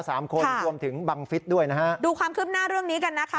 สามคนรวมถึงบังฟิศด้วยนะฮะดูความคืบหน้าเรื่องนี้กันนะคะ